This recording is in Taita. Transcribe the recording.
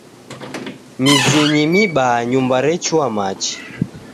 Mizinyi mibaa nyumba rechua machi.